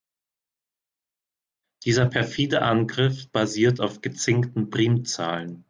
Dieser perfide Angriff basiert auf gezinkten Primzahlen.